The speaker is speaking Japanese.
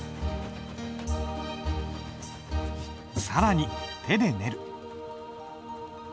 更に手で練る。